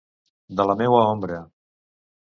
De la meua ombra.